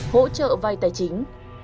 hỗ trợ vay tài chính